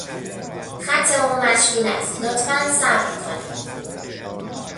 خط او مشغول است، لطفا صبر کنید.